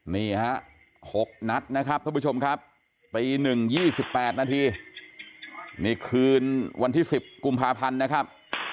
นี่ฮะ๖นัดนะครับท่านผู้ชมครับตี๑๒๘นาทีนี่คืนวันที่๑๐กุมภาพันธ์นะครับ